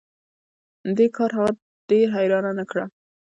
دې کار هغه ډیره حیرانه نه کړه